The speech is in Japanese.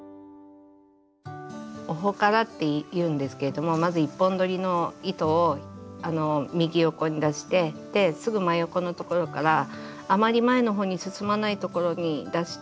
オホカラっていうんですけどもまず１本どりの糸を右横に出してですぐ真横のところからあまり前の方に進まないところに出して糸をかけて。